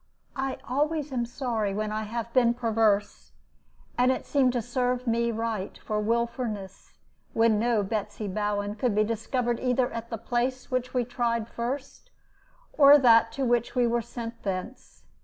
I always am sorry when I have been perverse, and it seemed to serve me right for willfulness when no Betsy Bowen could be discovered either at the place which we tried first, or that to which we were sent thence.